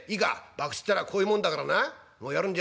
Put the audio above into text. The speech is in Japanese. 博打ってのはこういうもんだからなもうやるんじゃねえ。